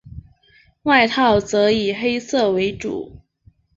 外套则以黑色为主。